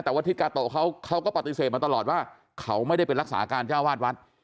แต่ว่าทิศกาโตะเขาก็ปฏิเสธมาตลอดว่าเขาไม่ได้เป็นรักษาการเจ้าวาดวัด